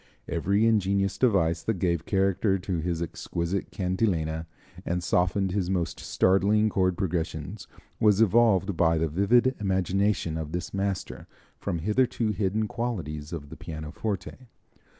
Every ingenious device that gave character to his exquisite cantilena, and softened his most startling chord progressions, was evolved by the vivid imagination of this master from hitherto hidden qualities of the pianoforte.